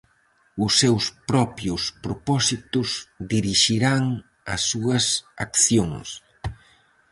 Os seus propios propósitos dirixirán as súas accións.